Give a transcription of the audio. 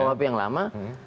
kuhp yang lama